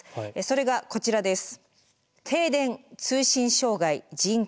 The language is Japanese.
それがこちらです。